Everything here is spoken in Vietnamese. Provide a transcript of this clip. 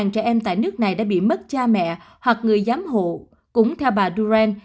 chín mươi tám trẻ em tại nước này đã bị mất cha mẹ hoặc người giám hộ cũng theo bà duren